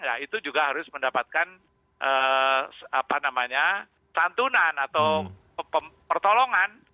ya itu juga harus mendapatkan santunan atau pertolongan